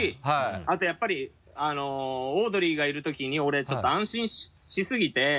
あとやっぱりオードリーがいるときに俺ちょっと安心しすぎて。